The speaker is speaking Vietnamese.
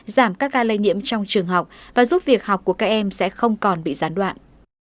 giảm các ca lây nhiễm trong trường học và giúp việc học của các em sẽ không còn bị gián đoạn